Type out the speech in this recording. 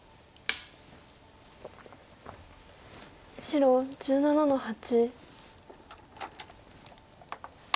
白１７の八。